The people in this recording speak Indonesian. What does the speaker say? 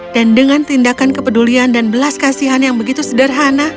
dan dengan tindakan kepedulian dan belas kasihan yang begitu sederhana